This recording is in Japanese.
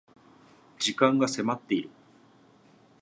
時間が迫っている